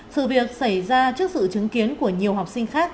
sự việc xảy ra trước sự chứng kiến của nhiều học sinh khác